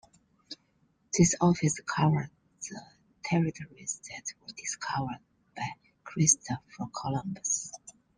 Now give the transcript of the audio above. This office covered the territories that were discovered by Christopher Columbus.